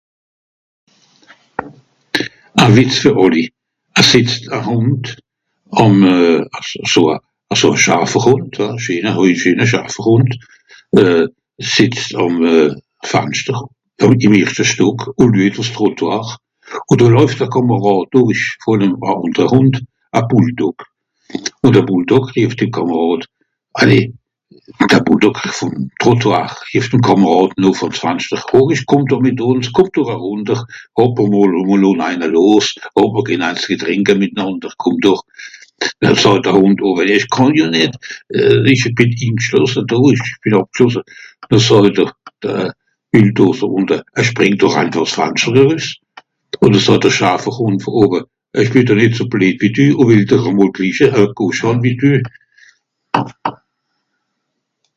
A Wìtz fer àlli. Es sìtzt a Hùnd àm e... aso a... aso a (...)hùnd hein, scheener oei scheener (...)hùnd euh... sìtzt àm Fanschter ìm erschte Stock ùn luejt ùff s Trottoire. Ùn noh lauft dr Kàmàràd dùrrich von dem àlter Hùnd, a Bulldog. Ùn de Bulldog rìeft ìm Kàmàràd, àllez. De Bulldog vùm Troittoire rìeft ìm Kàmàràd nùff ùff d'Fanschter, horich, kùmm doch mìt ùns, kùmm doch erùnter, hop e mol, e mol nah los, hop mìr gehn eins ge trìnke mìtnànder, kùmm doch. Noh saat de Hùnd wo Owe ìsch, ìch kànn jo nìt, ìch bìn ìngschlosse do ìch bìn ingschlosse. Noh sààt dr Bulldog do unte, Sprìng do einfàch s'Fanschter erüss. ùn noh sààt de (...)hùnd vùn Owe, ìch bìn nìt so bleed wie dü ù wìll dr e mol gliche, e (...) wie dü.